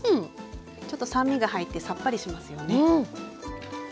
ちょっと酸味が入ってさっぱりしますよね。